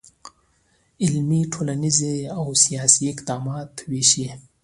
علمي، ټولنیز، او سیاسي اقدامات وشي.